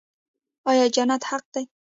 آیا جنت حق دی؟